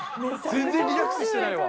全然リラックスしてないわ。